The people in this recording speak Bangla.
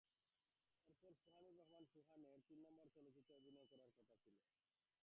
এরপর সোহানুর রহমান সোহানের তিন নম্বর চলচ্চিত্রে আমার অভিনয় করার কথা ছিল।